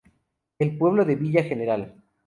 El pueblo de Villa Gral.